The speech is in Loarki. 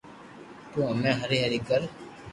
تو ھمي ھري ھري ڪر